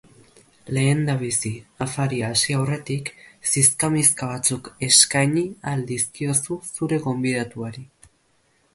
Lehendabizi, afaria hasi aurretik, zizka-mizka batzuk eskaini ahal dizkiozu zure gonbidatuari.